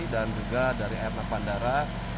dan juga dari air mak pandara